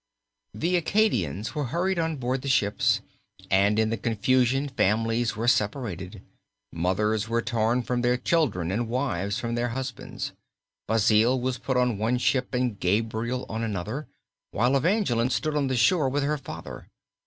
The Acadians were hurried on board the ships and in the confusion families were separated. Mothers were torn from their children and wives from their husbands. Basil was put on one ship and Gabriel on another, while Evangeline stood on the shore with her father.